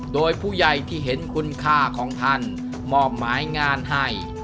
โดยผู้ใหญ่ที่เห็นคุณค่าของท่านมอบหมายงานให้